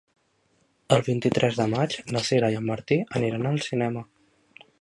El vint-i-tres de maig na Sira i en Martí aniran al cinema.